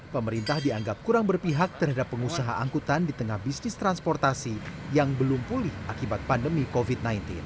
pemerintah dianggap kurang berpihak terhadap pengusaha angkutan di tengah bisnis transportasi yang belum pulih akibat pandemi covid sembilan belas